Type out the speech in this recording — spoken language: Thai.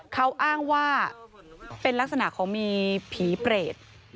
เขาอ้างว่าเป็นลักษณะของมีผีเปรต